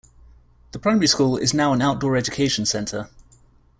The primary school is now an outdoor education centre.